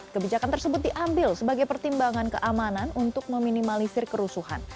kebijakan tersebut diambil sebagai pertimbangan keamanan untuk meminimalisir kerusuhan